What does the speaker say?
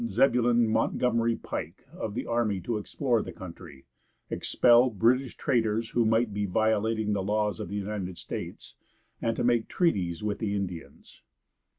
Zebulon Montgomery Pike of the army to explore the country, expel British traders who might be violating the laws of the United States, and to make treaties with the Indians.